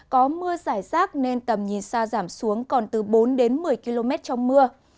có mưa giải rác nên tầm nhìn xa giảm xuống còn từ bốn đến một mươi km trong mưa